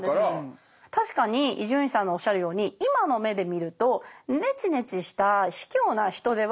確かに伊集院さんのおっしゃるように今の目で見るとネチネチした卑怯な人では決してないんですよ。